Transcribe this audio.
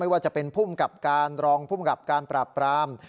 ว่าจะเป็นภูมิกับการรองภูมิกับการปราบปราม